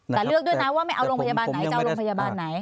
แต่และเลือกด้วยนะว่าจะเอาโรงพยาบาลไหน